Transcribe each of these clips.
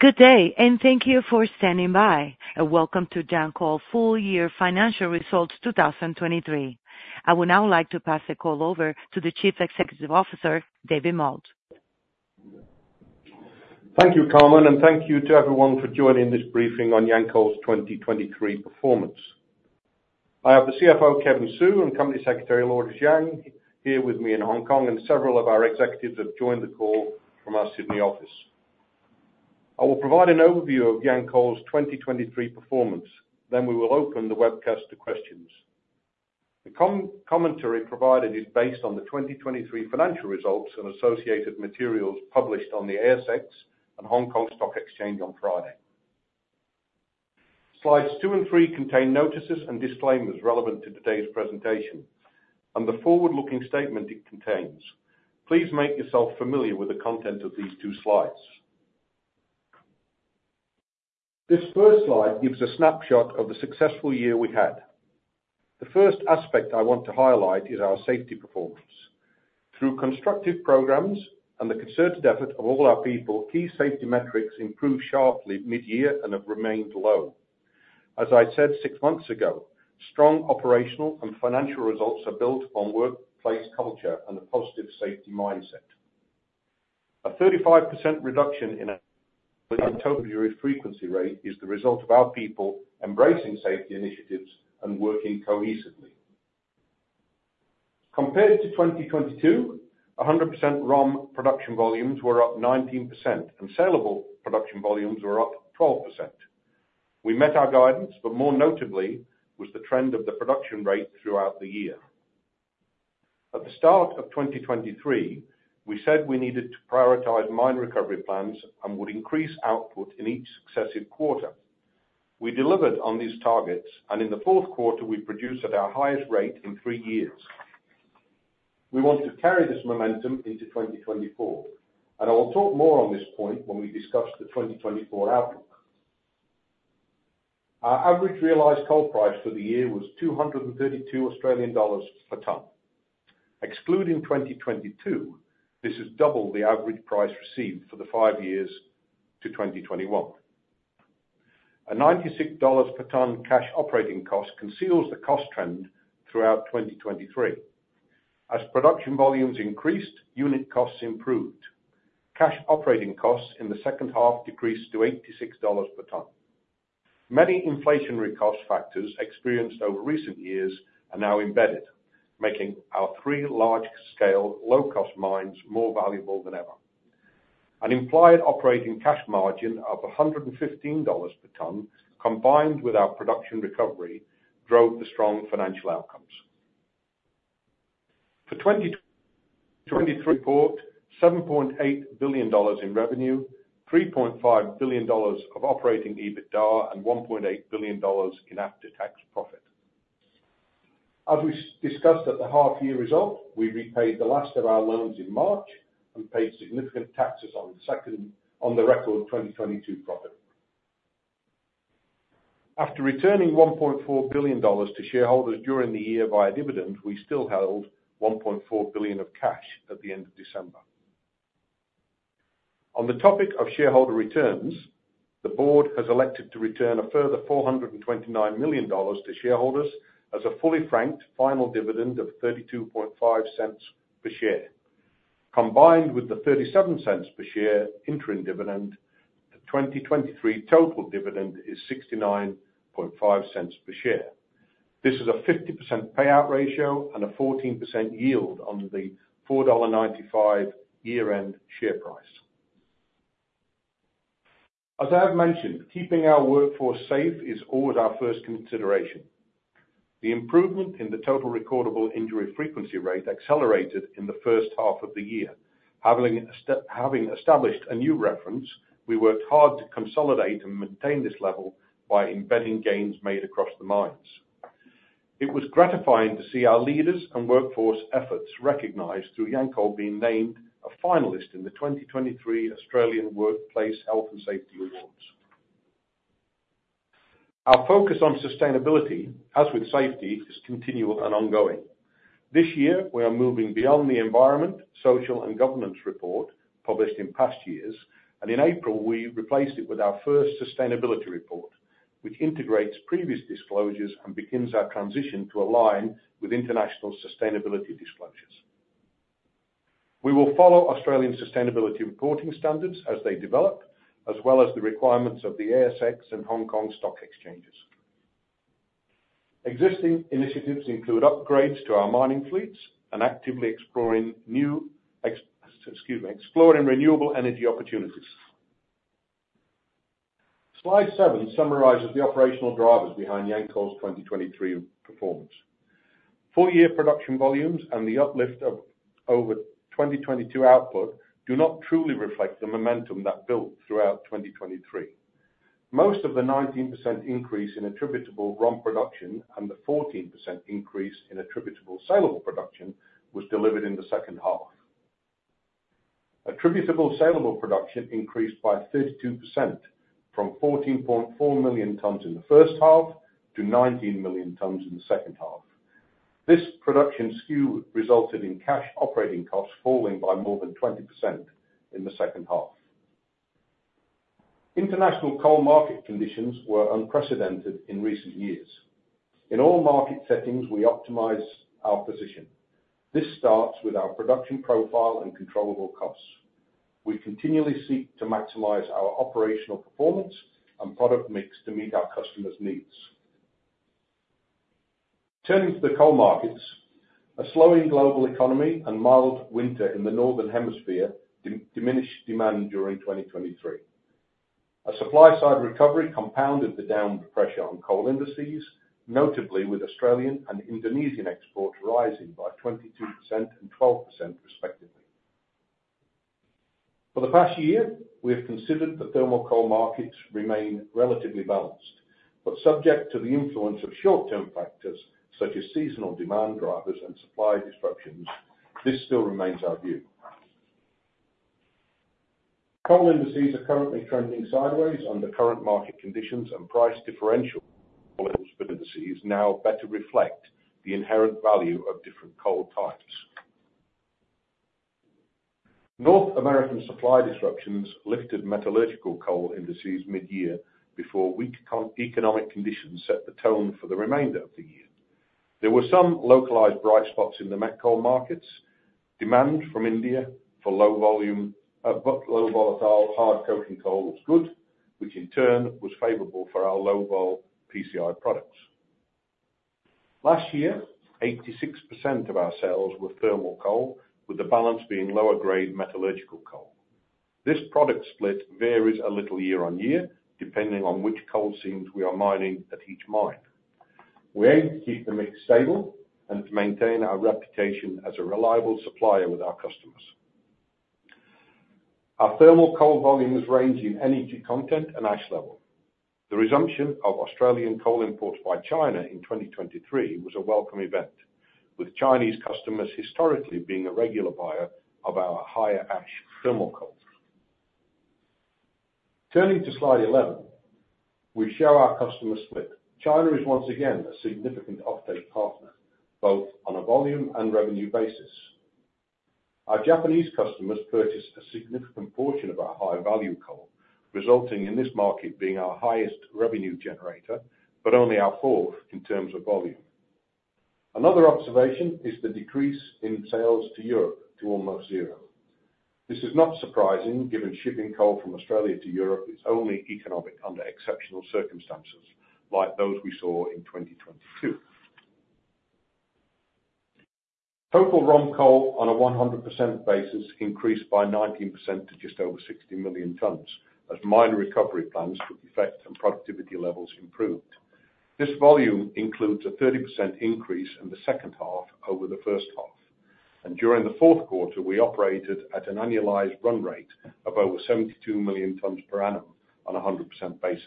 Good day and thank you for standing by, and welcome to Yancoal full year financial results 2023. I would now like to pass the call over to the Chief Executive Officer David Moult. Thank you, Carmen, and thank you to everyone for joining this briefing on Yancoal's 2023 performance. I have the CFO Kevin Su and Company Secretary Laura Zhang here with me in Hong Kong, and several of our executives have joined the call from our Sydney office. I will provide an overview of Yancoal's 2023 performance, then we will open the webcast to questions. The commentary provided is based on the 2023 financial results and associated materials published on the ASX and Hong Kong Stock Exchange on Friday. Slides two and three contain notices and disclaimers relevant to today's presentation, and the forward-looking statement it contains. Please make yourself familiar with the content of these two slides. This first slide gives a snapshot of the successful year we had. The first aspect I want to highlight is our safety performance. Through constructive programs and the concerted effort of all our people, key safety metrics improved sharply mid-year and have remained low. As I said six months ago, strong operational and financial results are built on workplace culture and a positive safety mindset. A 35% reduction in total injury frequency rate is the result of our people embracing safety initiatives and working cohesively. Compared to 2022, 100% ROM production volumes were up 19%, and saleable production volumes were up 12%. We met our guidance, but more notably was the trend of the production rate throughout the year. At the start of 2023, we said we needed to prioritize mine recovery plans and would increase output in each successive quarter. We delivered on these targets, and in the fourth quarter we produced at our highest rate in three years. We want to carry this momentum into 2024, and I will talk more on this point when we discuss the 2024 outlook. Our average realized coal price for the year was 232 Australian dollars per ton. Excluding 2022, this is double the average price received for the five years to 2021. A 96 dollars per ton cash operating cost conceals the cost trend throughout 2023. As production volumes increased, unit costs improved. Cash operating costs in the second half decreased to 86 dollars per ton. Many inflationary cost factors experienced over recent years are now embedded, making our three large-scale low-cost mines more valuable than ever. An implied operating cash margin of 115 dollars per ton combined with our production recovery drove the strong financial outcomes for 2023, report 7.8 billion dollars in revenue, 3.5 billion dollars of operating EBITDA, and 1.8 billion dollars in after-tax profit. As we discussed at the half-year result, we repaid the last of our loans in March and paid significant taxes on the record 2022 profit. After returning 1.4 billion dollars to shareholders during the year via dividends, we still held 1.4 billion of cash at the end of December. On the topic of shareholder returns, the board has elected to return a further 429 million dollars to shareholders as a fully franked final dividend of 0.325 per share. Combined with the 0.37 per share interim dividend, the 2023 total dividend is 0.695 per share. This is a 50% payout ratio and a 14% yield on the 4.95 dollar year-end share price. As I have mentioned, keeping our workforce safe is always our first consideration. The improvement in the total recordable injury frequency rate accelerated in the first half of the year. Having established a new reference, we worked hard to consolidate and maintain this level by embedding gains made across the mines. It was gratifying to see our leaders and workforce efforts recognized through Yancoal being named a finalist in the 2023 Australian Workplace Health and Safety Awards. Our focus on sustainability, as with safety, is continual and ongoing. This year we are moving beyond the environmental, social, and governance report published in past years, and in April we replaced it with our first sustainability report, which integrates previous disclosures and begins our transition to align with international sustainability disclosures. We will follow Australian sustainability reporting standards as they develop, as well as the requirements of the ASX and Hong Kong Stock Exchanges. Existing initiatives include upgrades to our mining fleets and actively exploring renewable energy opportunities. Slide 7 summarizes the operational drivers behind Yancoal's 2023 performance. Full-year production volumes and the uplift over 2022 output do not truly reflect the momentum that built throughout 2023. Most of the 19% increase in attributable ROM production and the 14% increase in attributable saleable production was delivered in the second half. Attributable saleable production increased by 32% from 14.4 million tons in the first half to 19 million tons in the second half. This production skew resulted in cash operating costs falling by more than 20% in the second half. International coal market conditions were unprecedented in recent years. In all market settings, we optimize our position. This starts with our production profile and controllable costs. We continually seek to maximize our operational performance and product mix to meet our customers' needs. Turning to the coal markets, a slowing global economy and mild winter in the northern hemisphere diminished demand during 2023. A supply-side recovery compounded the downward pressure on coal indices, notably with Australian and Indonesian exports rising by 22% and 12% respectively. For the past year, we have considered the thermal coal markets remain relatively balanced, but subject to the influence of short-term factors such as seasonal demand drivers and supply disruptions, this still remains our view. Coal indices are currently trending sideways under current market conditions, and price differentials for coal indices now better reflect the inherent value of different coal types. North American supply disruptions lifted metallurgical coal indices mid-year before weak economic conditions set the tone for the remainder of the year. There were some localized bright spots in the met coal markets. Demand from India for low-vol but low-volatile hard coking coal was good, which in turn was favorable for our low-vol PCI products. Last year, 86% of our sales were thermal coal, with the balance being lower-grade metallurgical coal. This product split varies a little year on year depending on which coal seams we are mining at each mine. We aim to keep the mix stable and to maintain our reputation as a reliable supplier with our customers. Our thermal coal volumes range in energy content and ash level. The resumption of Australian coal imports by China in 2023 was a welcome event, with Chinese customers historically being a regular buyer of our higher ash thermal coal. Turning to slide 11, we show our customer split. China is once again a significant offtake partner, both on a volume and revenue basis. Our Japanese customers purchase a significant portion of our high-value coal, resulting in this market being our highest revenue generator, but only our fourth in terms of volume. Another observation is the decrease in sales to Europe to almost zero. This is not surprising given shipping coal from Australia to Europe is only economic under exceptional circumstances like those we saw in 2022. Total ROM coal on a 100% basis increased by 19% to just over 60 million tons as mine recovery plans took effect and productivity levels improved. This volume includes a 30% increase in the second half over the first half, and during the fourth quarter we operated at an annualized run rate of over 72 million tons per annum on a 100% basis.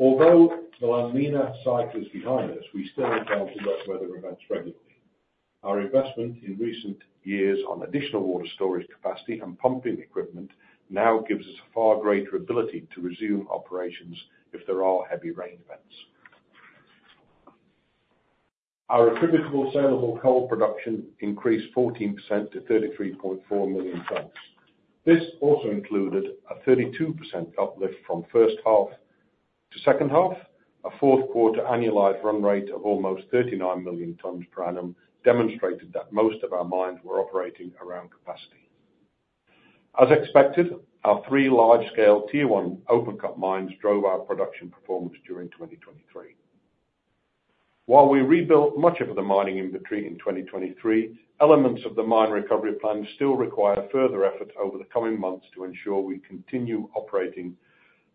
Although the La Niña cycle is behind us, we still encounter wet weather events regularly. Our investment in recent years on additional water storage capacity and pumping equipment now gives us a far greater ability to resume operations if there are heavy rain events. Our attributable saleable coal production increased 14% to 33.4 million tons. This also included a 32% uplift from first half to second half. A fourth quarter annualized run rate of almost 39 million tons per annum demonstrated that most of our mines were operating around capacity. As expected, our three large-scale tier one open-cut mines drove our production performance during 2023. While we rebuilt much of the mining inventory in 2023, elements of the mine recovery plan still require further effort over the coming months to ensure we continue operating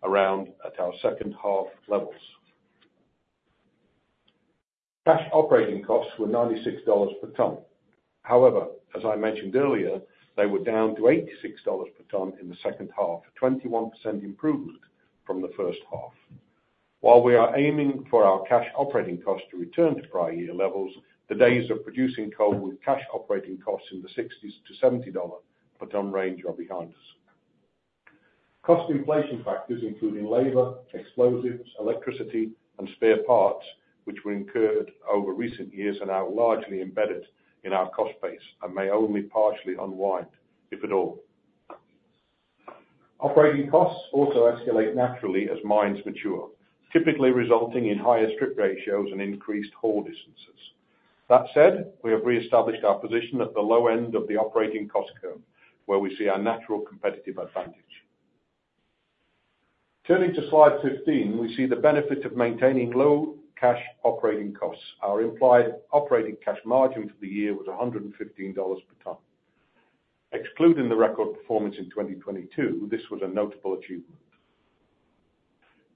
around at our second half levels. Cash operating costs were 96 dollars per ton. However, as I mentioned earlier, they were down to $86 per ton in the second half, a 21% improvement from the first half. While we are aiming for our cash operating costs to return to prior year levels, the days of producing coal with cash operating costs in the $60s-$70 per ton range are behind us. Cost inflation factors including labor, explosives, electricity, and spare parts, which were incurred over recent years and are largely embedded in our cost base and may only partially unwind, if at all. Operating costs also escalate naturally as mines mature, typically resulting in higher strip ratios and increased haul distances. That said, we have reestablished our position at the low end of the operating cost curve, where we see our natural competitive advantage. Turning to slide 15, we see the benefit of maintaining low cash operating costs. Our implied operating cash margin for the year was 115 dollars per ton. Excluding the record performance in 2022, this was a notable achievement.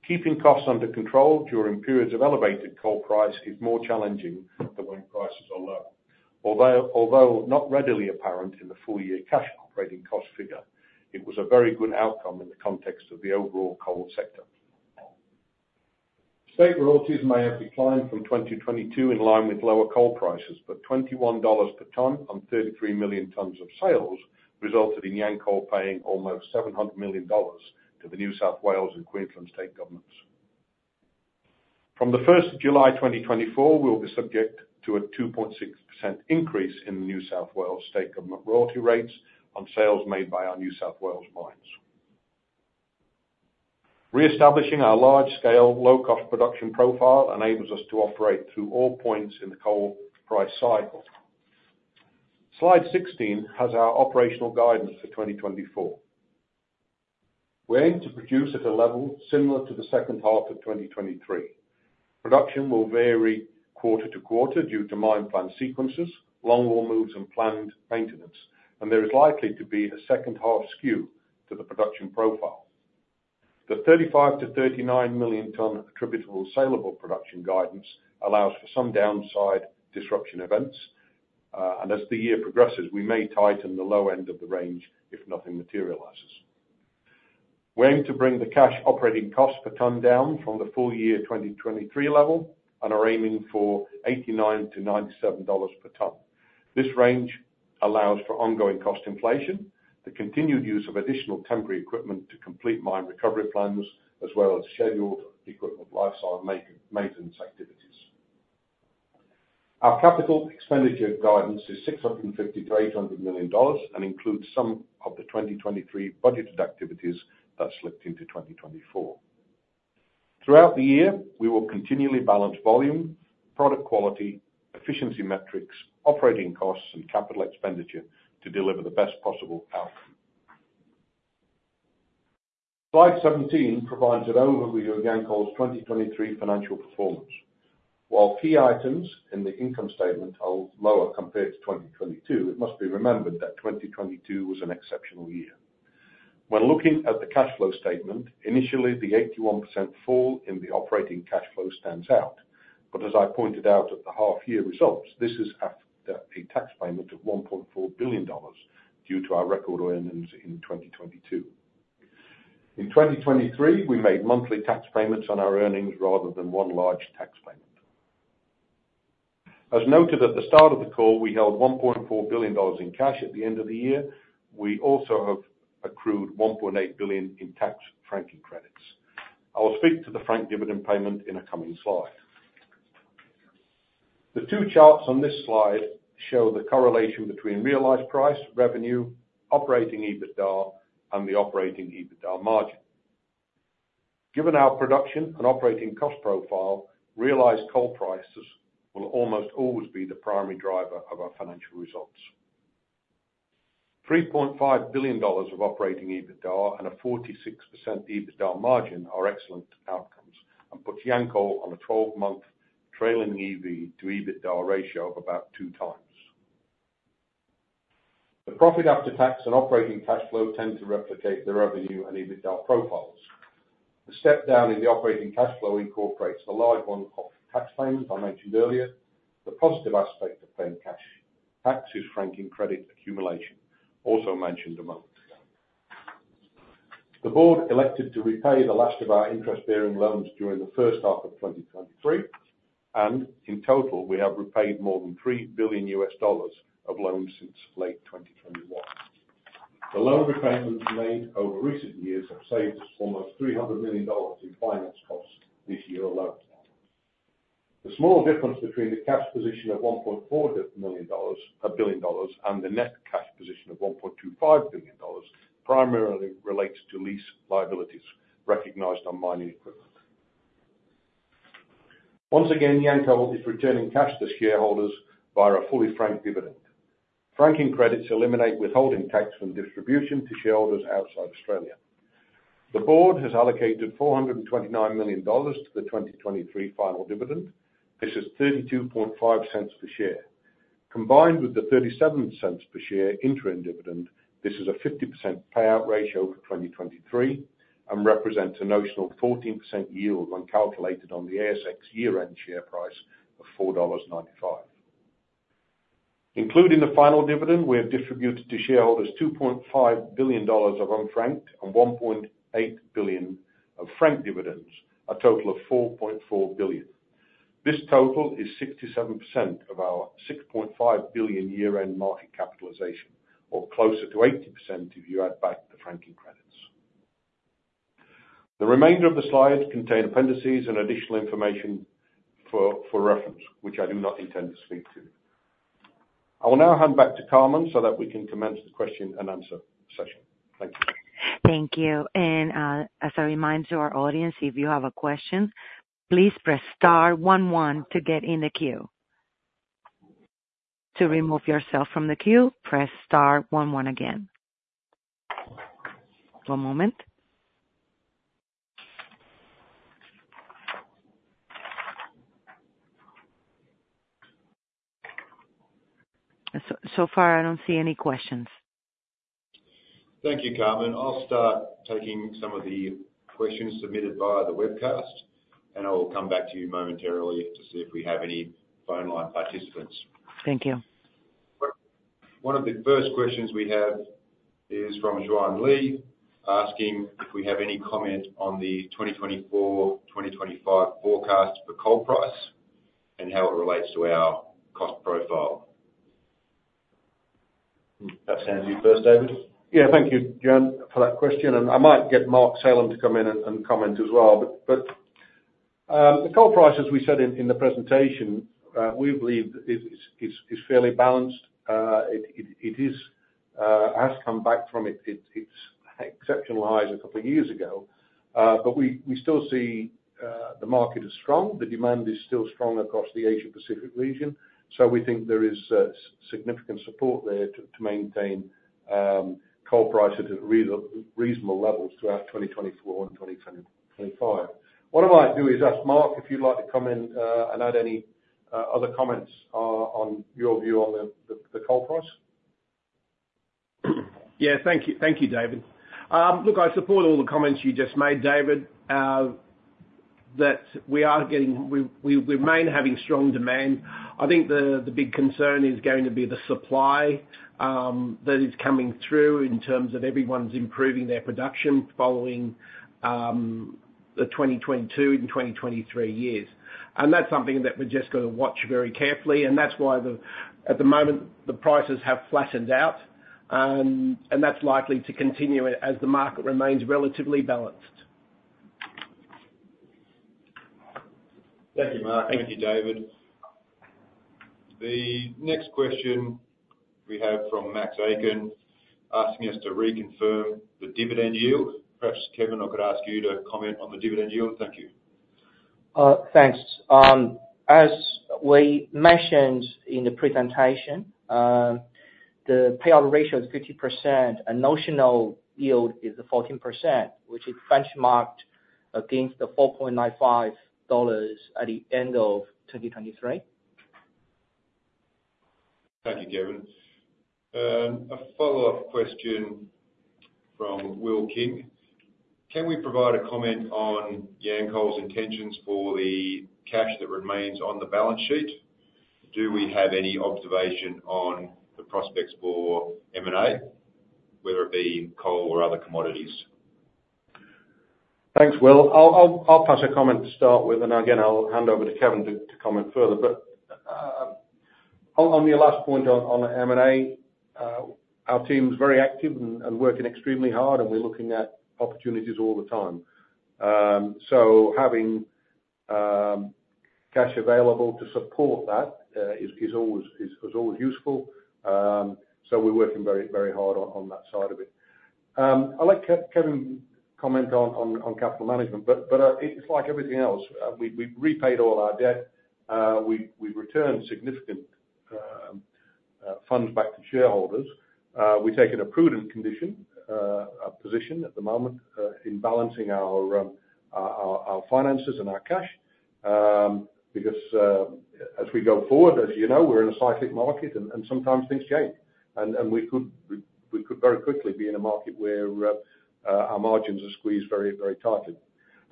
Keeping costs under control during periods of elevated coal price is more challenging than when prices are low. Although not readily apparent in the full-year cash operating cost figure, it was a very good outcome in the context of the overall coal sector. State royalties may have declined from 2022 in line with lower coal prices, but 21 dollars per ton on 33 million tons of sales resulted in Yancoal paying almost 700 million dollars to the New South Wales and Queensland state governments. From the July 1st, 2024, we will subject to a 2.6% increase in the New South Wales state government royalty rates on sales made by our New South Wales mines. Reestablishing our large-scale low-cost production profile enables us to operate through all points in the coal price cycle. Slide 16 has our operational guidance for 2024. We aim to produce at a level similar to the second half of 2023. Production will vary quarter to quarter due to mine plan sequences, long-haul moves, and planned maintenance, and there is likely to be a second half skew to the production profile. The 35 million tons-39 million tons attributable saleable production guidance allows for some downside disruption events, and as the year progresses, we may tighten the low end of the range if nothing materializes. We aim to bring the cash operating costs per ton down from the full-year 2023 level, and are aiming for 89-97 dollars per ton. This range allows for ongoing cost inflation, the continued use of additional temporary equipment to complete mine recovery plans, as well as scheduled equipment lifecycle maintenance activities. Our capital expenditure guidance is 650 million-800 million dollars and includes some of the 2023 budgeted activities that slipped into 2024. Throughout the year, we will continually balance volume, product quality, efficiency metrics, operating costs, and capital expenditure to deliver the best possible outcome. Slide 17 provides an overview of Yancoal's 2023 financial performance. While key items in the income statement hold lower compared to 2022, it must be remembered that 2022 was an exceptional year. When looking at the cash flow statement, initially the 81% fall in the operating cash flow stands out, but as I pointed out at the half-year results, this is after a tax payment of 1.4 billion dollars due to our record earnings in 2022. In 2023, we made monthly tax payments on our earnings rather than one large tax payment. As noted at the start of the call, we held 1.4 billion dollars in cash at the end of the year. We also have accrued 1.8 billion in franking credits. I will speak to the franking dividend payment in a coming slide. The two charts on this slide show the correlation between realized price, revenue, operating EBITDA, and the operating EBITDA margin. Given our production and operating cost profile, realized coal prices will almost always be the primary driver of our financial results. AUD 3.5 billion of operating EBITDA and a 46% EBITDA margin are excellent outcomes and put Yancoal on a 12-month trailing EV to EBITDA ratio of about 2x. The profit after tax and operating cash flow tend to replicate the revenue and EBITDA profiles. The step down in the operating cash flow incorporates the large one-off tax payments I mentioned earlier, the positive aspect of paying cash taxes franking credit accumulation, also mentioned a moment ago. The board elected to repay the last of our interest-bearing loans during the first half of 2023, and in total we have repaid more than AUD 3 billion of loans since late 2021. The loan repayments made over recent years have saved us almost 300 million dollars in finance costs this year alone. The small difference between the cash position of 1.4 billion dollars and the net cash position of 1.25 billion dollars primarily relates to lease liabilities recognized on mining equipment. Once again, Yancoal is returning cash to shareholders via a fully franked dividend. Franking credits eliminate withholding tax from distribution to shareholders outside Australia. The board has allocated 429 million dollars to the 2023 final dividend. This is 0.325 per share. Combined with the 0.37 per share interim dividend, this is a 50% payout ratio for 2023 and represents a notional 14% yield when calculated on the ASX year-end share price of 4.95 dollars. Including the final dividend, we have distributed to shareholders 2.5 billion dollars of unfranked and 1.8 billion of franked dividends, a total of 4.4 billion. This total is 67% of our 6.5 billion year-end market capitalization, or closer to 80% if you add back the franking credits. The remainder of the slides contain appendices and additional information for reference, which I do not intend to speak to. I will now hand back to Carmen so that we can commence the question-and answer-session. Thank you. Thank you. As a reminder to our audience, if you have a question, please press star one one to get in the queue. To remove yourself from the queue, press star one one again. One moment. So far, I don't see any questions. Thank you, Carmen. I'll start taking some of the questions submitted via the webcast, and I will come back to you momentarily to see if we have any phone line participants. Thank you. One of the first questions we have is from Juan Lee asking if we have any comment on the 2024-2025 forecast for coal price and how it relates to our cost profile. That sounds your first, David? Yeah. Thank you, Juan, for that question. And I might get Mark Salem to come in and comment as well. But the coal price, as we said in the presentation, we believe is fairly balanced. It has come back from its exceptional highs a couple of years ago, but we still see the market is strong. The demand is still strong across the Asia-Pacific region, so we think there is significant support there to maintain coal prices at reasonable levels throughout 2024 and 2025. What I might do is ask Mark if you'd like to come in and add any other comments on your view on the coal price. Yeah. Thank you, David. Look, I support all the comments you just made, David, that we are getting we remain having strong demand. I think the big concern is going to be the supply that is coming through in terms of everyone's improving their production following the 2022 and 2023 years. That's something that we're just going to watch very carefully. That's why at the moment the prices have flattened out, and that's likely to continue as the market remains relatively balanced. Thank you, Mark. Thank you, David. The next question we have from Max Aitken asking us to reconfirm the dividend yield. Perhaps Kevin or could ask you to comment on the dividend yield. Thank you. Thanks. As we mentioned in the presentation, the payout ratio is 50%, and notional yield is 14%, which is benchmarked against the 4.95 dollars at the end of 2023. Thank you, Kevin. A follow-up question from Will King. Can we provide a comment on Yancoal's intentions for the cash that remains on the balance sheet? Do we have any observation on the prospects for M&A, whether it be coal or other commodities? Thanks, Will. I'll pass a comment to start with, and again, I'll hand over to Kevin to comment further. But on your last point on the M&A, our team's very active and working extremely hard, and we're looking at opportunities all the time. So having cash available to support that is always useful. So we're working very, very hard on that side of it. I'd like Kevin to comment on capital management, but it's like everything else. We've repaid all our debt. We've returned significant funds back to shareholders. We take in a prudent position at the moment in balancing our finances and our cash because as we go forward, as you know, we're in a cyclic market, and sometimes things change. And we could very quickly be in a market where our margins are squeezed very, very tightly.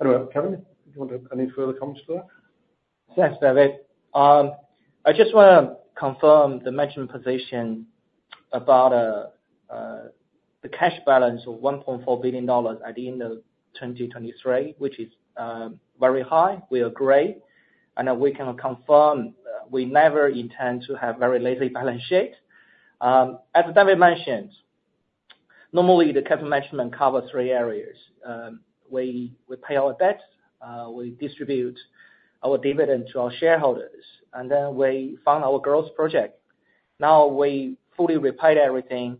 Anyway, Kevin, do you want to add any further comments to that? Yes, David. I just want to confirm the management position about the cash balance of 1.4 billion dollars at the end of 2023, which is very high. We agree. We can confirm we never intend to have very lazy balance sheets. As David mentioned, normally the capital management covers three areas. We pay our debts. We distribute our dividend to our shareholders, and then we fund our growth project. Now we fully repaid everything.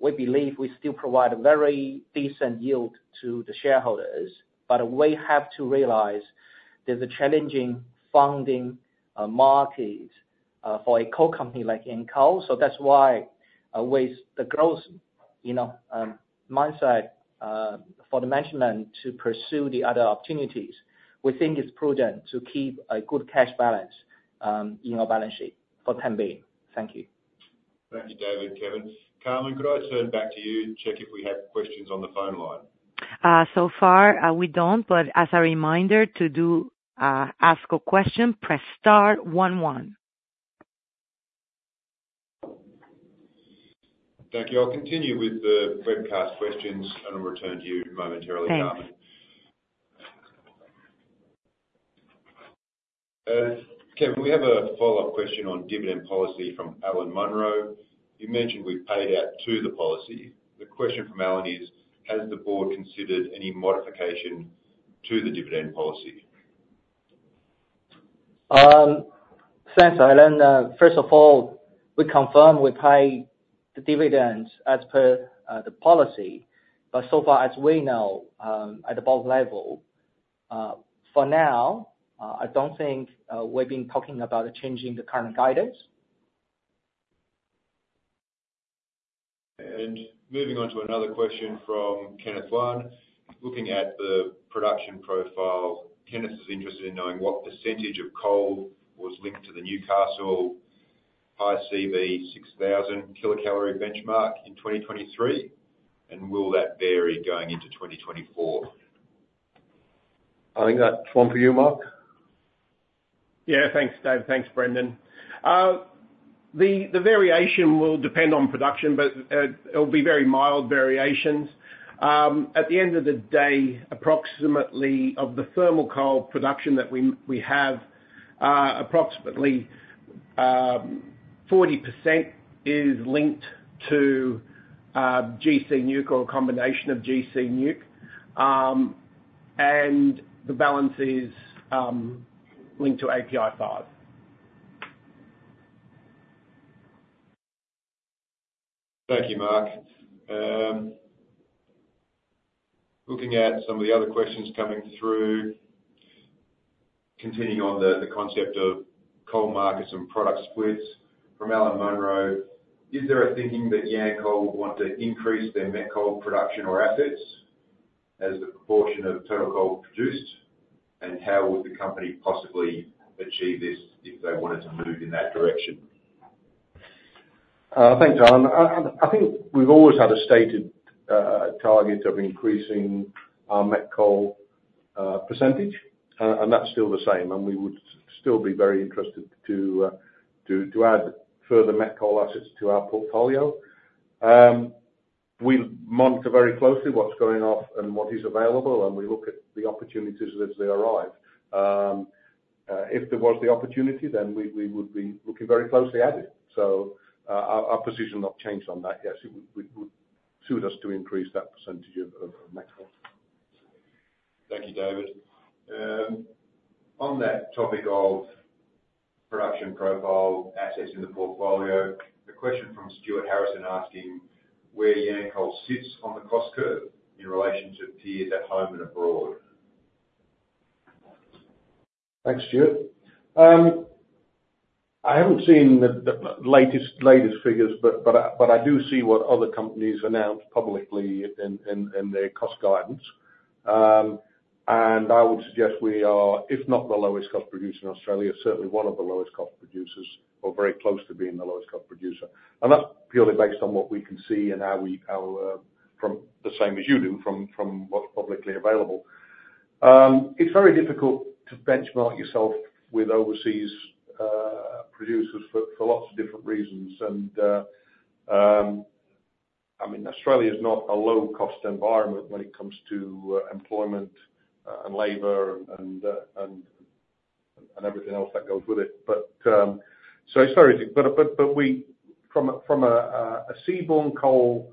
We believe we still provide a very decent yield to the shareholders, but we have to realize there's a challenging funding market for a coal company like Yancoal. So that's why with the growth mindset for the management to pursue the other opportunities, we think it's prudent to keep a good cash balance in our balance sheet for the time being. Thank you. Thank you, David, Kevin. Carmen, could I turn back to you, check if we have questions on the phone line? So far, we don't. But as a reminder, to ask a question, press star one one. Thank you. I'll continue with the webcast questions, and I'll return to you momentarily, Carmen. Thanks. Kevin, we have a follow-up question on dividend policy from Alan Munro. You mentioned we paid out to the policy. The question from Alan is, Has the board considered any modification to the dividend policy? Thanks, Alan. First of all, we confirm we pay the dividends as per the policy. So far, as we know at the board level, for now, I don't think we've been talking about changing the current guidance. Moving on to another question from Kenneth Juan. Looking at the production profile, Kenneth is interested in knowing what percentage of coal was linked to the Newcastle High CV 6000 kilocalorie benchmark in 2023, and will that vary going into 2024? I think that's one for you, Mark. Yeah. Thanks, David. Thanks, Brendan. The variation will depend on production, but it'll be very mild variations. At the end of the day, approximately of the thermal coal production that we have, approximately 40% is linked to gC NEWC or a combination of gC NEWC, and the balance is linked to API 5. Thank you, Mark. Looking at some of the other questions coming through, continuing on the concept of coal markets and product splits, from Alan Munro, is there a thinking that Yancoal would want to increase their met coal production or assets as the proportion of total coal produced, and how would the company possibly achieve this if they wanted to move in that direction? Thanks, Alan. I think we've always had a stated target of increasing our met coal percentage, and that's still the same. We would still be very interested to add further met coal assets to our portfolio. We monitor very closely what's going on and what is available, and we look at the opportunities as they arrive. If there was the opportunity, then we would be looking very closely at it. Our position has not changed on that. Yes, it would suit us to increase that percentage of met coal. Thank you, David. On that topic of production profile, assets in the portfolio, a question from Stuart Harrison asking where Yancoal sits on the cost curve in relation to peers at home and abroad. Thanks, Stuart. I haven't seen the latest figures, but I do see what other companies announced publicly in their cost guidance. I would suggest we are, if not the lowest cost producer in Australia, certainly one of the lowest cost producers or very close to being the lowest cost producer. And that's purely based on what we can see and how we from the same as you do from what's publicly available. It's very difficult to benchmark yourself with overseas producers for lots of different reasons. I mean, Australia is not a low-cost environment when it comes to employment and labor and everything else that goes with it. So it's very but from a seaborne coal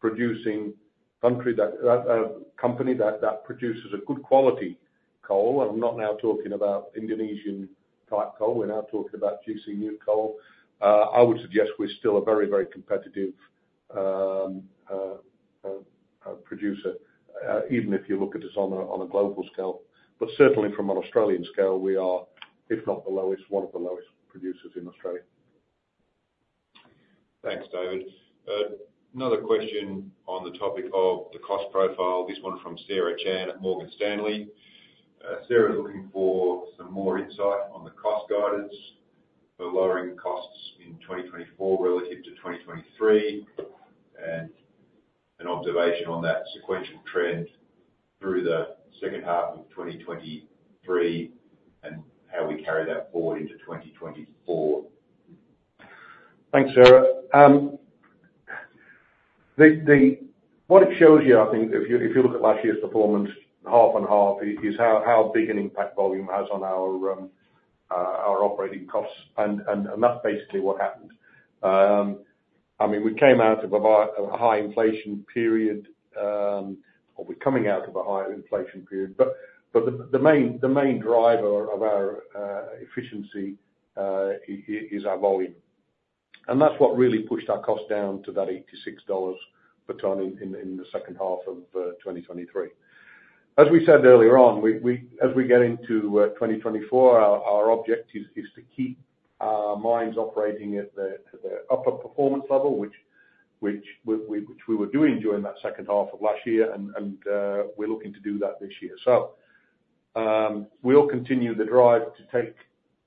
producing country, a company that produces a good quality coal and I'm not now talking about Indonesian-type coal. We're now talking about gC NEWC coal. I would suggest we're still a very, very competitive producer, even if you look at us on a global scale. But certainly from an Australian scale, we are, if not the lowest, one of the lowest producers in Australia. Thanks, David. Another question on the topic of the cost profile, this one from Sara Chan at Morgan Stanley. Sarah is looking for some more insight on the cost guidance for lowering costs in 2024 relative to 2023 and an observation on that sequential trend through the second half of 2023 and how we carry that forward into 2024. Thanks, Sara. What it shows you, I think, if you look at last year's performance half and half, is how big an impact volume has on our operating costs. And that's basically what happened. I mean, we came out of a high inflation period, or we're coming out of a high inflation period, but the main driver of our efficiency is our volume. And that's what really pushed our cost down to that 86 dollars per ton in the second half of 2023. As we said earlier on, as we get into 2024, our object is to keep our mines operating at their upper performance level, which we were doing during that second half of last year, and we're looking to do that this year. So we'll continue the drive to take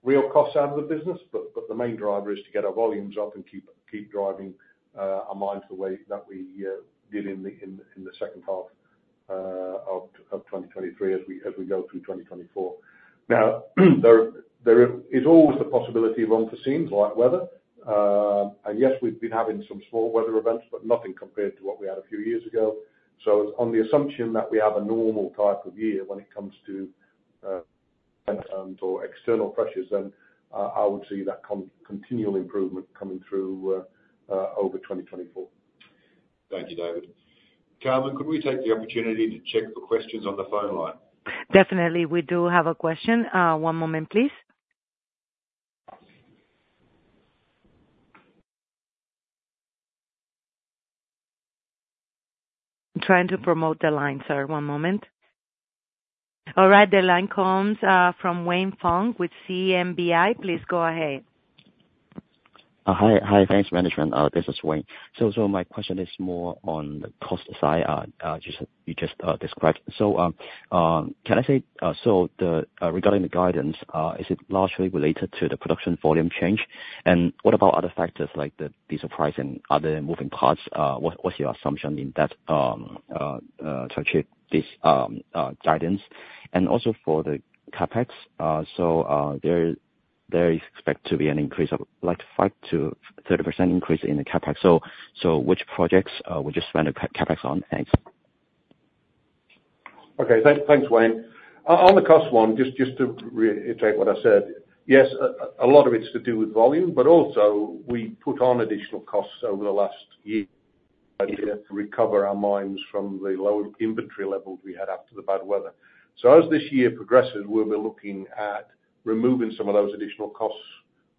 real costs out of the business, but the main driver is to get our volumes up and keep driving our mines the way that we did in the second half of 2023 as we go through 2024. Now, there is always the possibility of unforeseen wet weather. And yes, we've been having some small weather events, but nothing compared to what we had a few years ago. So it's on the assumption that we have a normal type of year when it comes to external pressures, then I would see that continual improvement coming through over 2024. Thank you, David. Carmen, could we take the opportunity to check for questions on the phone line? Definitely. We do have a question. One moment, please. I'm trying to promote the line, sir. One moment. All right. The line comes from Wayne Fung with CMBI. Please go ahead. Hi. Hi. Thanks, management. This is Wayne. So my question is more on the cost side you just described. So can I say so regarding the guidance, is it largely related to the production volume change? And what about other factors like the diesel price and other moving parts? What's your assumption in that to achieve this guidance? And also for the CapEx, so there is expected to be an increase of like 5%-30% increase in the CapEx. So which projects would you spend the CapEx on? Thanks. Okay. Thanks, Wayne. On the cost one, just to reiterate what I said, yes, a lot of it's to do with volume, but also we put on additional costs over the last year to recover our mines from the lower inventory levels we had after the bad weather. So as this year progresses, we'll be looking at removing some of those additional costs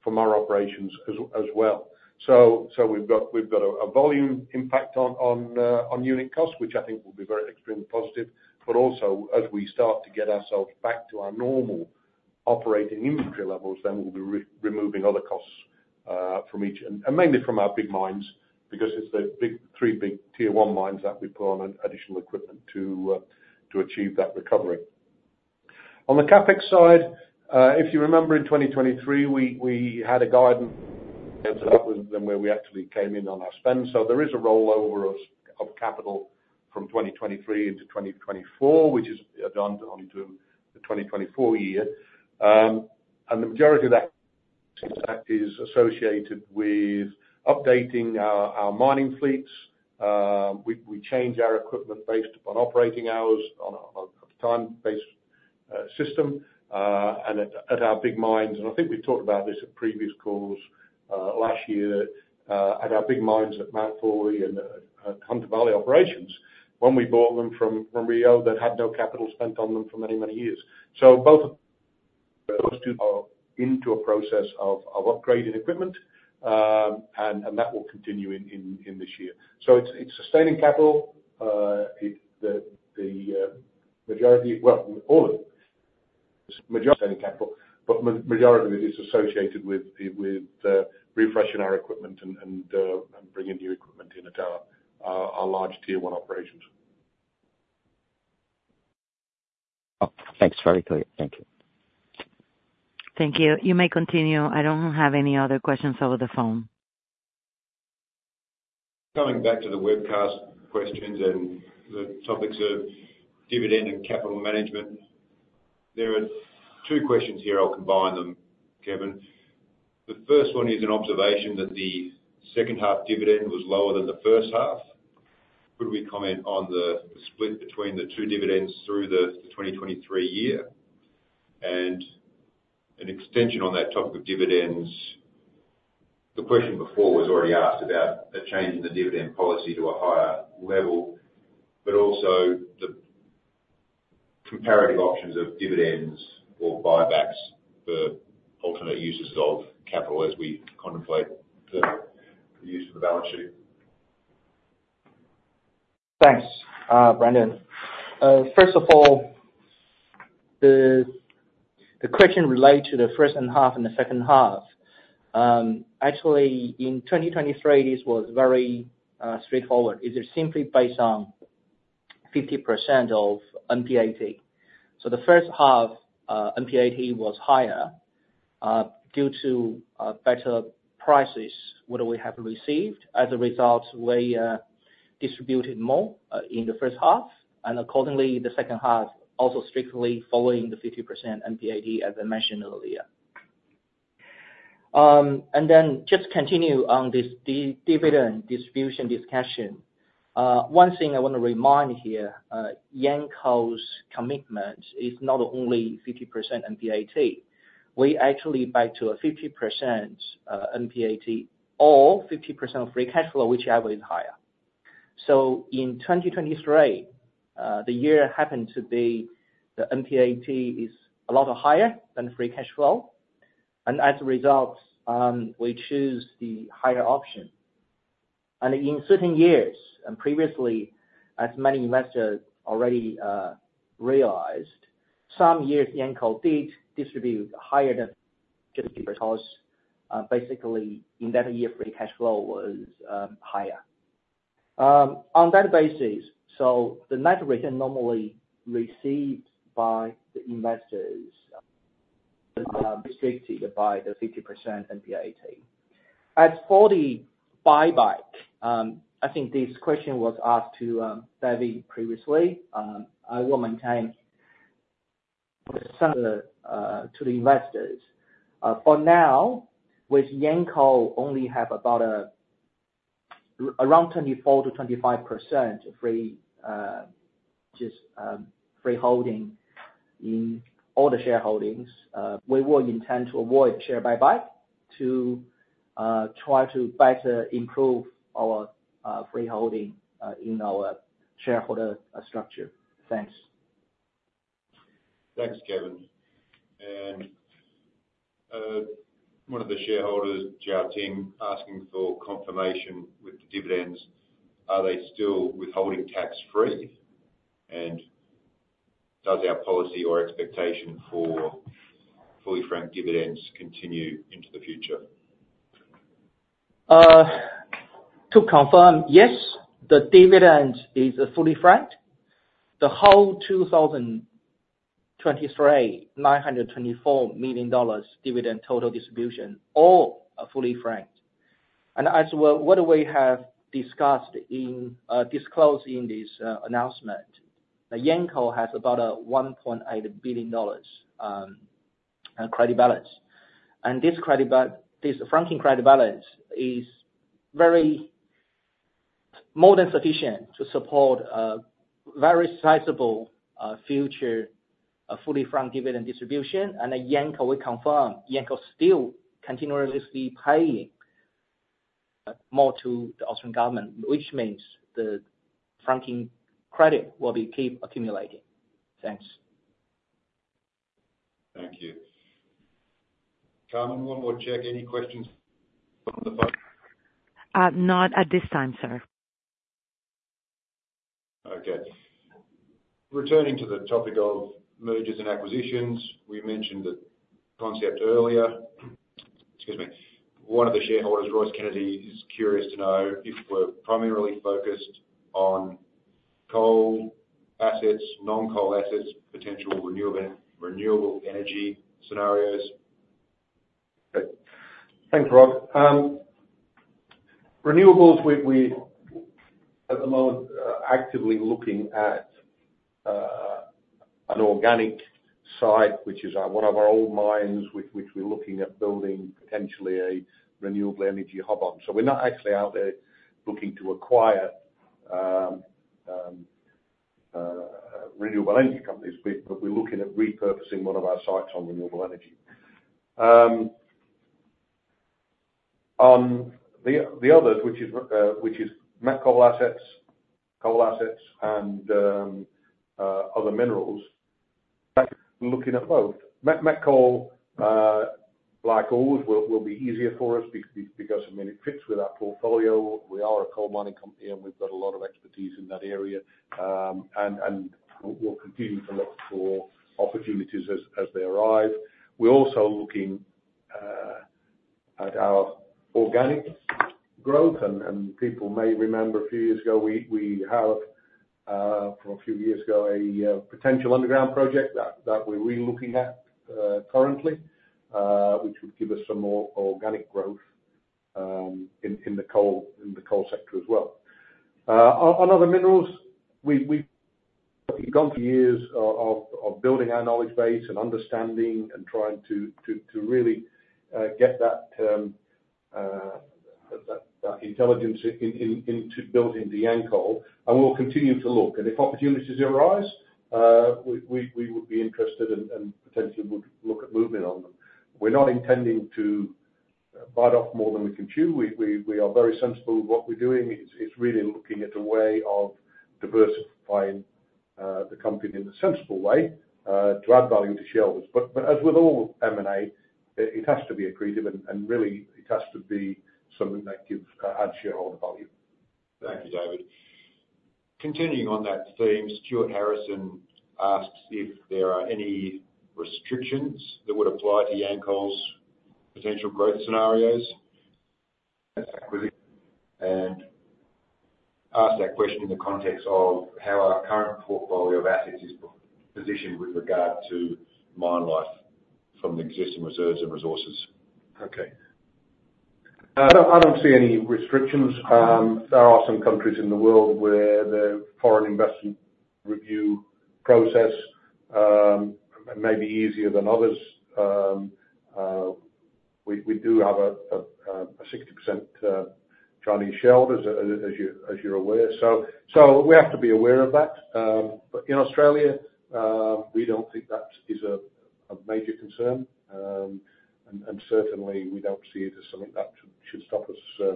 from our operations as well. So we've got a volume impact on unit costs, which I think will be very extreme positive. But also as we start to get ourselves back to our normal operating inventory levels, then we'll be removing other costs from each and mainly from our big mines because it's the three big tier one mines that we put on additional equipment to achieve that recovery. On the CapEx side, if you remember, in 2023, we had a guidance. So that was then where we actually came in on our spend. So there is a rollover of capital from 2023 into 2024, which is done onto the 2024 year. And the majority of that is associated with updating our mining fleets. We change our equipment based upon operating hours on a time-based system at our big mines. And I think we've talked about this at previous calls last year at our big mines at Mount Thorley and Hunter Valley Operations when we bought them from Rio that had no capital spent on them for many, many years. So both of those two are into a process of upgrading equipment, and that will continue in this year. So it's sustaining capital. The majority, well, all of it. It's sustaining capital, but the majority of it is associated with refreshing our equipment and bringing new equipment into our large tier one operations. Thanks. Very clear. Thank you. Thank you. You may continue. I don't have any other questions over the phone. Coming back to the webcast questions and the topics of dividend and capital management, there are two questions here. I'll combine them, Kevin. The first one is an observation that the second-half dividend was lower than the first half. Could we comment on the split between the two dividends through the 2023 year? And an extension on that topic of dividends, the question before was already asked about a change in the dividend policy to a higher level, but also the comparative options of dividends or buybacks for alternate uses of capital as we contemplate the use of the balance sheet. Thanks, Brendan. First of all, the question related to the first half and the second half, actually, in 2023, this was very straightforward. Is it simply based on 50% of MPAT? So the first half, MPAT was higher due to better prices what we have received. As a result, we distributed more in the first half. And accordingly, the second half also strictly following the 50% MPAT, as I mentioned earlier. And then just continue on this dividend distribution discussion. One thing I want to remind here, Yancoal's commitment is not only 50% MPAT. We actually back to a 50% MPAT or 50% of free cash flow, whichever is higher. So in 2023, the year happened to be the MPAT is a lot higher than free cash flow. And as a result, we chose the higher option. In certain years and previously, as many investors already realized, some years Yancoal did distribute higher than 50% because basically in that year, free cash flow was higher. On that basis, the net return normally received by the investors is restricted by the 50% MPAT. At 40 buyback, I think this question was asked to David previously. I will maintain some to the investors. For now, with Yancoal only have about around 24%-25% free holding in all the shareholdings, we will intend to avoid share buyback to try to better improve our free holding in our shareholder structure. Thanks. Thanks, Kevin. And one of the shareholders, Jiao Ting, asking for confirmation with the dividends, are they still withholding tax-free? And does our policy or expectation for fully franked dividends continue into the future? To confirm, yes, the dividend is fully franked. The whole 2023, 924 million dollars dividend total distribution all fully franked. And as we have discussed and disclosed in this announcement, Yancoal has about a 1.8 billion dollars credit balance. And this franking credit balance is more than sufficient to support a very sizable future fully franked dividend distribution. And Yancoal, we confirm, Yancoal still continuously paying more to the Australian government, which means the franking credit will keep accumulating. Thanks. Thank you. Carmen, one more check. Any questions from the phone? Not at this time, sir. Okay. Returning to the topic of mergers and acquisitions, we mentioned the concept earlier. Excuse me. One of the shareholders, Royce Kennedy, is curious to know if we're primarily focused on coal assets, non-coal assets, potential renewable energy scenarios. Okay. Thanks, Rob. Renewables, we're at the moment actively looking at an organic site, which is one of our old mines with which we're looking at building potentially a renewable energy hub on. So we're not actually out there looking to acquire renewable energy companies, but we're looking at repurposing one of our sites on renewable energy. On the others, which is met coal assets, coal assets, and other minerals, we're looking at both. Met coal, like always, will be easier for us because, I mean, it fits with our portfolio. We are a coal mining company, and we've got a lot of expertise in that area. And we'll continue to look for opportunities as they arrive. We're also looking at our organic growth. People may remember a few years ago, we have from a few years ago a potential underground project that we're re-looking at currently, which would give us some more organic growth in the coal sector as well. On other minerals, we've gone through years of building our knowledge base and understanding and trying to really get that intelligence into building the Yancoal. We'll continue to look. If opportunities arise, we would be interested and potentially would look at moving on them. We're not intending to buy off more than we can chew. We are very sensible with what we're doing. It's really looking at a way of diversifying the company in a sensible way to add value to shareholders. As with all M&A, it has to be accretive, and really, it has to be something that adds shareholder value. Thank you, David. Continuing on that theme, Stuart Harrison asks if there are any restrictions that would apply to Yancoal's potential growth scenarios. Yes. Acquisition. Asked that question in the context of how our current portfolio of assets is positioned with regard to mine life from the existing reserves and resources. Okay. I don't see any restrictions. There are some countries in the world where the foreign investment review process may be easier than others. We do have a 60% Chinese shareholders, as you're aware. So we have to be aware of that. But in Australia, we don't think that is a major concern. And certainly, we don't see it as something that should stop us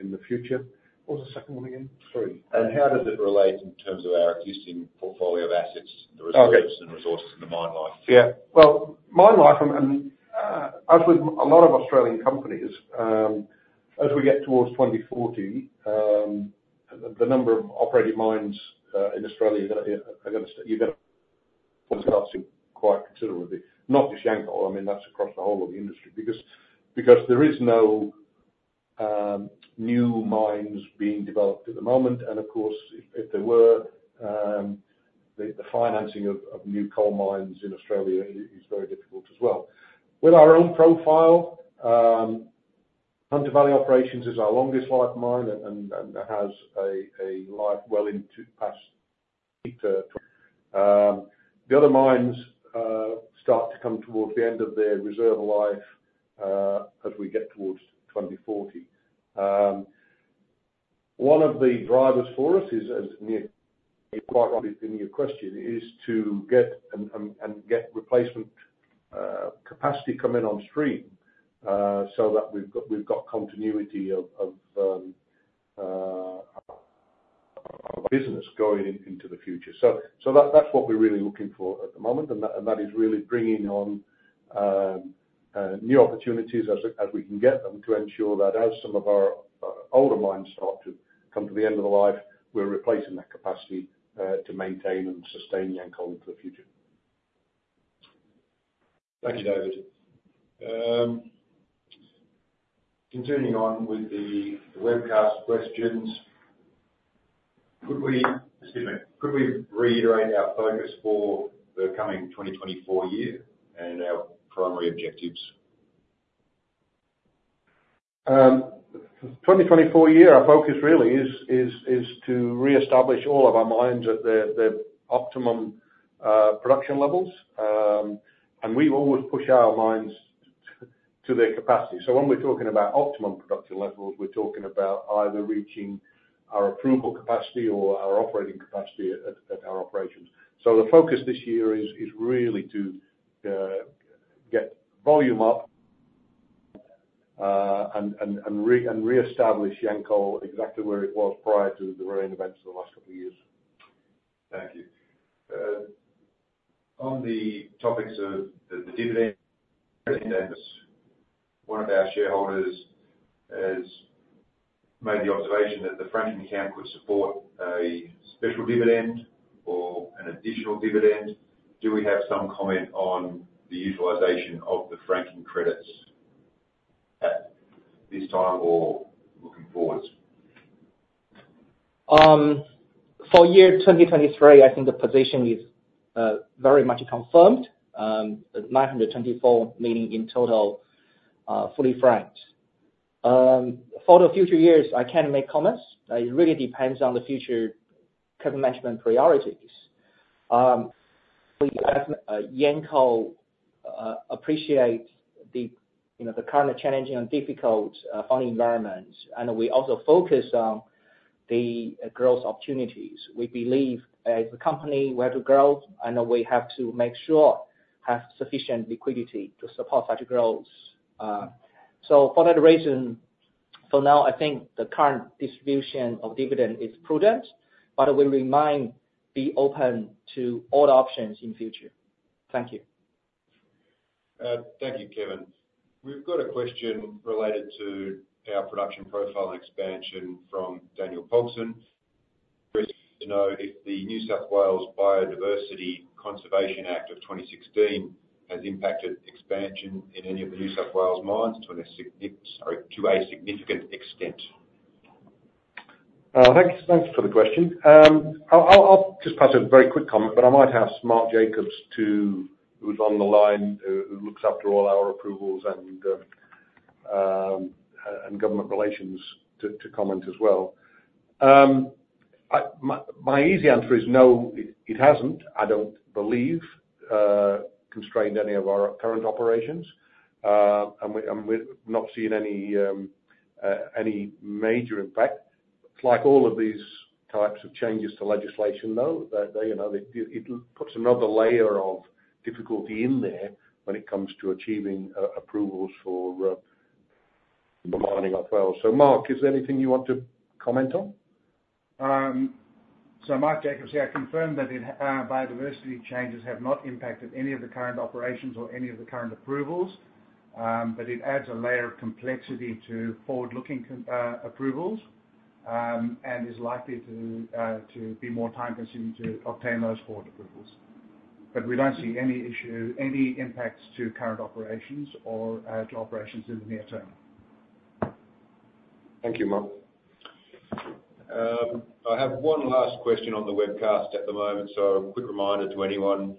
in the future. What was the second one again? Sorry. How does it relate in terms of our existing portfolio of assets, the reserves and resources and the mine life? Yeah. Well, mine life, as with a lot of Australian companies, as we get towards 2040, the number of operated mines in Australia, you're going to start seeing quite considerably. Not just Yancoal. I mean, that's across the whole of the industry because there is no new mines being developed at the moment. And of course, if there were, the financing of new coal mines in Australia is very difficult as well. With our own profile, Hunter Valley Operations is our longest-lived mine, and it has a life well into past. The other mines start to come towards the end of their reserve life as we get towards 2040. One of the drivers for us is quite right in your question, is to get replacement capacity come in on stream so that we've got continuity of business going into the future. That's what we're really looking for at the moment. That is really bringing on new opportunities as we can get them to ensure that as some of our older mines start to come to the end of their life, we're replacing that capacity to maintain and sustain Yancoal into the future. Thank you, David. Continuing on with the webcast questions, could we, excuse me. Could we reiterate our focus for the coming 2024 year and our primary objectives? For the 2024 year, our focus really is to reestablish all of our mines at their optimum production levels. We always push our mines to their capacity. When we're talking about optimum production levels, we're talking about either reaching our approval capacity or our operating capacity at our operations. The focus this year is really to get volume up and reestablish Yancoal exactly where it was prior to the rain events of the last couple of years. Thank you. On the topics of the dividends, one of our shareholders has made the observation that the franking account could support a special dividend or an additional dividend. Do we have some comment on the utilization of the franking credits at this time or looking forwards? For year 2023, I think the position is very much confirmed, 924 million in total fully franked. For the future years, I can't make comments. It really depends on the future capital management priorities. We ask Yancoal appreciate the current challenging and difficult funding environments. We also focus on the growth opportunities. We believe as a company, we have to grow, and we have to make sure we have sufficient liquidity to support such growth. So for that reason, for now, I think the current distribution of dividend is prudent. We remind, be open to all options in the future. Thank you. Thank you, Kevin. We've got a question related to our production profile and expansion from Daniel Pogson. He'd like to know if the New South Wales Biodiversity Conservation Act of 2016 has impacted expansion in any of the New South Wales mines to a significant extent. Thanks for the question. I'll just pass a very quick comment, but I might have Mark Jacobs who was on the line who looks after all our approvals and government relations to comment as well. My easy answer is no, it hasn't. I don't believe it constrained any of our current operations. We're not seeing any major impact. It's like all of these types of changes to legislation, though. It puts another layer of difficulty in there when it comes to achieving approvals for mining in New South Wales. So Mark, is there anything you want to comment on? So Mark Jacobs, yeah, I confirm that biodiversity changes have not impacted any of the current operations or any of the current approvals. But it adds a layer of complexity to forward-looking approvals and is likely to be more time-consuming to obtain those forward approvals. But we don't see any issue, any impacts to current operations or to operations in the near term. Thank you, Mark. I have one last question on the webcast at the moment. So a quick reminder to anyone,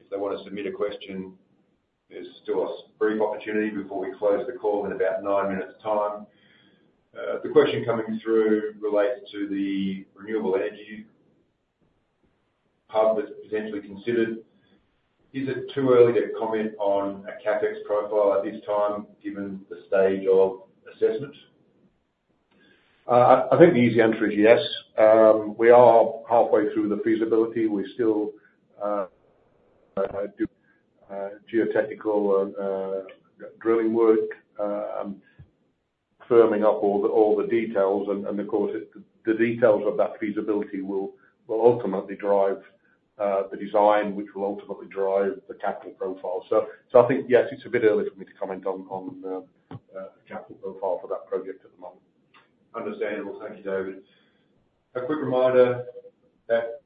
if they want to submit a question, there's still a brief opportunity before we close the call in about nine minutes' time. The question coming through relates to the renewable energy hub that's potentially considered. Is it too early to comment on a CAPEX profile at this time given the stage of assessment? I think the easy answer is yes. We are halfway through the feasibility. We still do geotechnical drilling work, firming up all the details. Of course, the details of that feasibility will ultimately drive the design, which will ultimately drive the capital profile. I think, yes, it's a bit early for me to comment on the capital profile for that project at the moment. Understandable. Thank you, David. A quick reminder that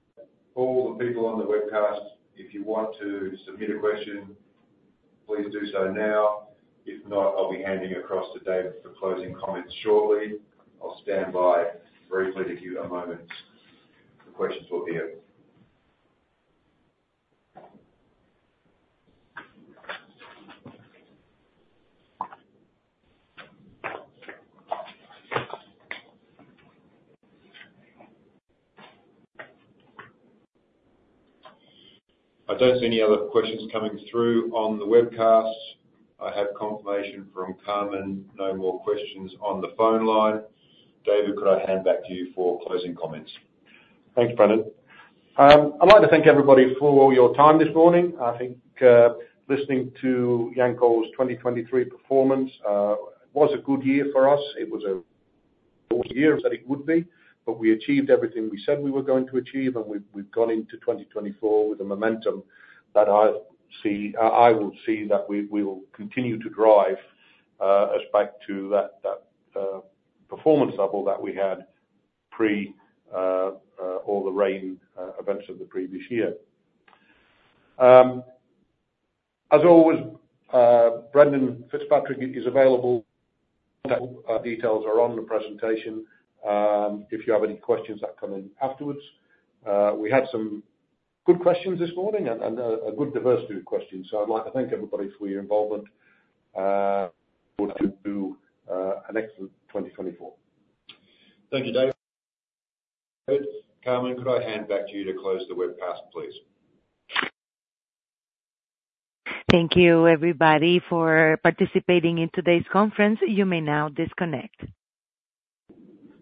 all the people on the webcast, if you want to submit a question, please do so now. If not, I'll be handing it across to David for closing comments shortly. I'll stand by briefly to give you a moment. The questions will be here. I don't see any other questions coming through on the webcast. I have confirmation from Carmen, no more questions on the phone line. David, could I hand back to you for closing comments? Thanks, Brendan. I'd like to thank everybody for all your time this morning. I think listening to Yancoal's 2023 performance was a good year for us. It was a year that it would be. But we achieved everything we said we were going to achieve, and we've gone into 2024 with a momentum that I will see that we will continue to drive as back to that performance level that we had pre all the rain events of the previous year. As always, Brendan Fitzpatrick is available. Contact details are on the presentation if you have any questions that come in afterwards. We had some good questions this morning and a good diversity of questions. So I'd like to thank everybody for your involvement. We hope to do an excellent 2024. Thank you, David. Carmen, could I hand back to you to close the webcast, please? Thank you, everybody, for participating in today's conference. You may now disconnect.